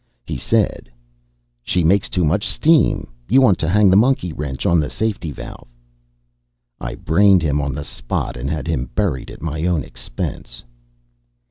He said: "She makes too much steam you want to hang the monkey wrench on the safety valve!" I brained him on the spot, and had him buried at my own expense.